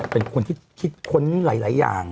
เป็นคนที่คิดค้นหลายอย่าง